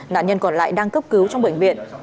nạn nhân còn lại đang cấp cứu trong bệnh viện